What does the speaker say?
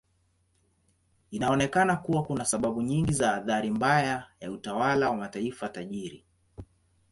Inaonekana kuwa kuna sababu nyingi za athari mbaya ya utawala wa mataifa tajiri.